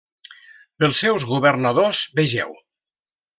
Pels seus governadors vegeu: